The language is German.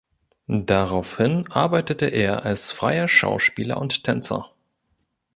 Daraufhin arbeitete er als freier Schauspieler und Tänzer.